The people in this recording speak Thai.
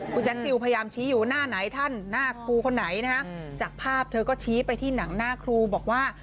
คุณแจ๊คจิลพยายามชี้อยู่หน้าไหนท่านหน้าครูคนไหนนะฮะจากภาพเธอก็ชี้ไปที่หนังหน้าครูบอกว่า